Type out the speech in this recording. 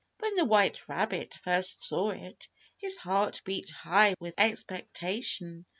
When the white rabbit first saw it his heart beat high with expectation.